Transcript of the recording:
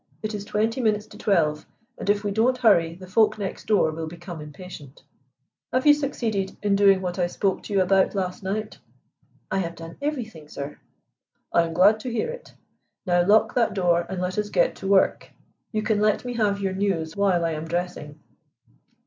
It is twenty minutes to twelve, and if we don't hurry the folk next door will become impatient. Have you succeeded in doing what I spoke to you about last night?" "I have done everything, sir." "I am glad to hear it. Now lock that door and let us get to work. You can let me have your news while I am dressing."